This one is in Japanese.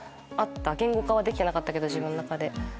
言語化はできてなかったけど自分の中で。